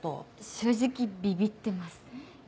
正直ビビってます。